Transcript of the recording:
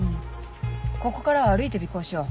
ここからは歩いて尾行しよう。